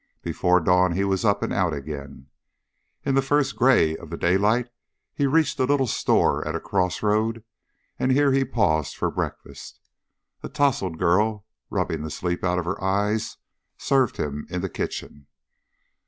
Before dawn he was up and out again. In the first gray of the daylight he reached a little store at a crossroad, and here he paused for breakfast. A tousled girl, rubbing the sleep out of her eyes, served him in the kitchen.